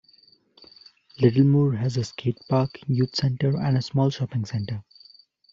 Littlemoor has a skatepark, youth centre and a small shopping centre.